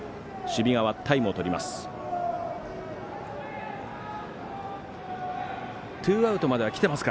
守備側、タイムをとります。